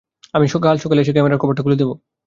আমি কাল সকালে এসে ক্যামেরার কভারটা খুলে দিবো।